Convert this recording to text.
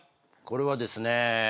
これはですね